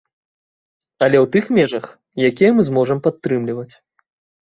Але ў тых межах, якія мы зможам падтрымліваць.